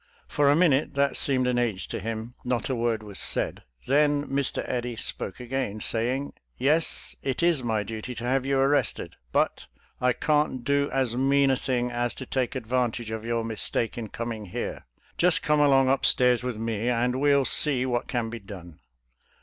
For a minute that seemed an age to him, not a word was said ; then Mr. Eddy spoke again, saying, " Yes, it is my duty to have you arrested. But 208 SOLDIER'S LETTERS TO CHARMING NELLIE I can't do as mean a thing as to take advantage of your mistake in coming here. Just come along upstairs with me, and we'll see what can be done."